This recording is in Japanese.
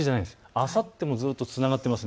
あさってもつながっています。